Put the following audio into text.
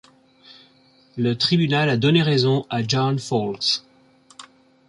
Le tribunal a donné raison à John Folkes.